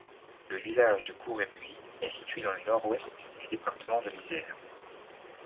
Le village de Cour-et-Buis est situé dans le nord-ouest du département de l'Isère.